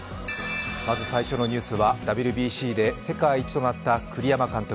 まず最初のニュースはＷＢＣで世界一となった栗山監督。